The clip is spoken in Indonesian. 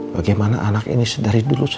bagaimana anak ini dari dulu selalu menurutmu